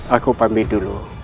aku panggil dulu